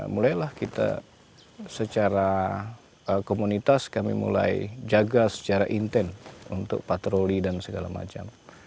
mulailah kita secara komunitas kami mulai jaga secara intent untuk patroli dan segala macam